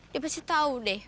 dia pasti tahu deh